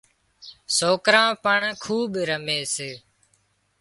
سوڪرا پڻ کُوٻ رمي سي